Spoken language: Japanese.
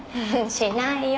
しないよ。